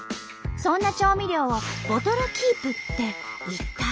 そんな調味料をボトルキープって一体？